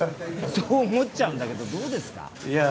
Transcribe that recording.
そう思っちゃうんだけど、どうですか？